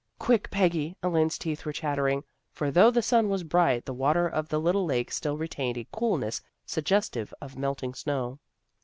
" Quick, Peggy! " Elaine's teeth were chat tering, for though the sun was bright the water of the little lake still retained a coolness sug gestive of melting snow.